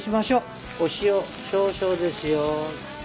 お塩少々ですよ。